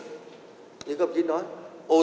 như cộng chính nói